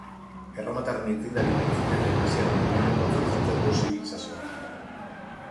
Erromatarren aitzindari eta antzinako Greziaren oinordekotzat jotzen da zibilizazio hau.